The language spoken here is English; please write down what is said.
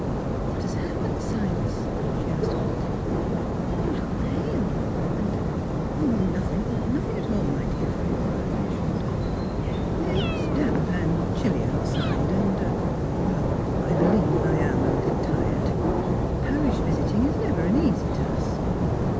"What has happened, Silas?" she asked quickly. " You look pale and "" Nothing nothing at all, my dear Philura," he assured her. " It is damp and er chilly out side, and I I believe I am a little tired. Parish visiting is never an easy task."